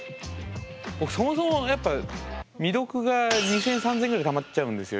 僕そもそもやっぱ未読が２，０００３，０００ぐらいたまっちゃうんですよいつも。